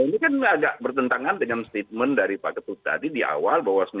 ini kan agak bertentangan dengan statement dari pak ketut tadi di awal bahwa